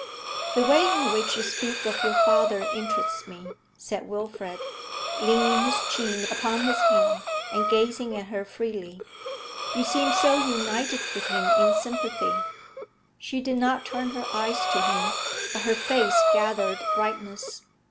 'The way in which you speak of your father interests me,' said Wilfrid, leaning his chin upon his hand, and gazing at her freely. 'You seem so united with him in sympathy.' She did not turn her eyes to him, but her face gathered brightness.